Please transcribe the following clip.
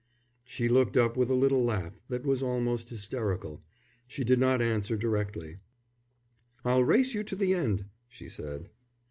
She looked up with a little laugh that was almost hysterical. She did not answer directly. "I'll race you to the end," she said.